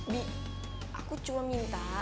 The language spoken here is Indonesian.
bi aku cuma minta